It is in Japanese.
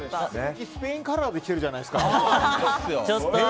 今日スペインカラーで来てるじゃないですか。